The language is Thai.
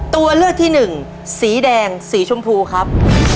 ตัวเลือกที่หนึ่งสีแดงสีชมพูครับ